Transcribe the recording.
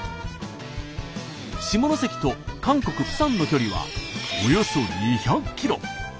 下関と韓国釜山の距離はおよそ２００キロ。